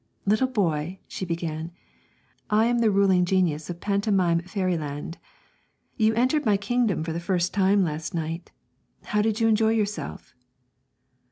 'Little boy,' she began, 'I am the ruling genius of Pantomime Fairyland. You entered my kingdom for the first time last night how did you enjoy yourself?'